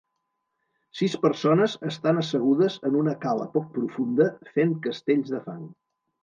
Sis persones estan assegudes en una cala poc profunda fent castells de fang.